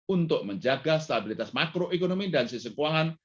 untuk menjaga stabilitas makroekonomi dan sisi keuangan